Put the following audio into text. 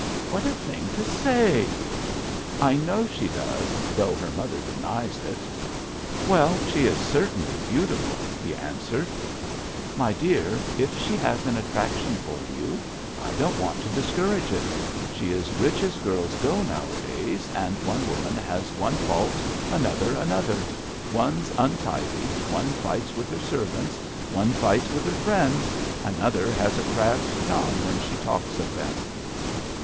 " What a thing to say !"" I know she does,'*though her mother denies it." " Well, she is certainly beauti ful," he answered. JOHN SHERMAN. 6 1 " My dear, if she has an attrac tion for you, I don't want to discourage it. She is rich as girls go nowadays ; and one woman has one fault, another another : one's untidy, one fights with her servants, one fights with her friends, another has a crabbed tongue when she talks of them."